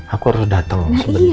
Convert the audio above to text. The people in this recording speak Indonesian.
aku harus dateng sebentar